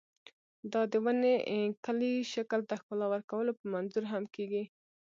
دا د ونې کلي شکل ته ښکلا ورکولو په منظور هم کېږي.